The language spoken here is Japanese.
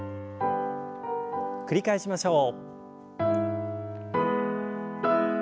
繰り返しましょう。